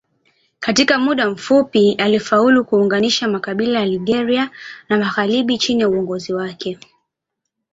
Katika muda mfupi alifaulu kuunganisha makabila ya Algeria ya magharibi chini ya uongozi wake.